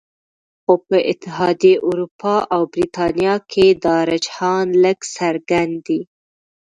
خو په اتحادیه اروپا او بریتانیا کې دا رجحان لږ څرګند دی